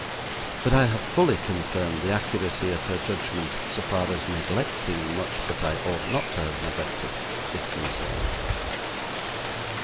But I have fully confirmed the accuracy of her judgment so far as neglecting much that I ought not to have neglected is concerned.